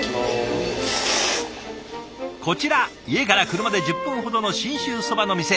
こちら家から車で１０分ほどの信州そばの店。